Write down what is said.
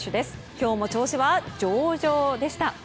今日も調子は上々でした。